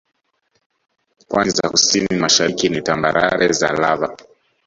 Pwani za kusini na mashariki ni tambarare za Lava